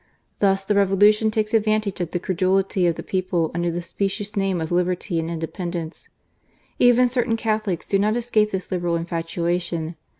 Thus the Revolution takes advantage of the credulity of the people under the specious names of Liberty and Independence. Even certain Catholics do not escape this Liberal infatuation.